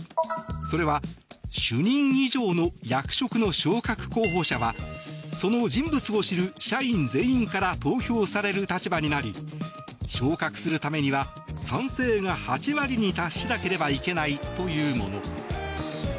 それは、主任以上の役職の昇格候補者はその人物を知る社員全員から投票される立場になり昇格するためには賛成が８割に達しなければいけないというもの。